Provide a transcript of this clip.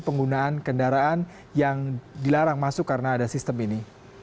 penggunaan kendaraan yang dilarang masuk karena ada sistem ini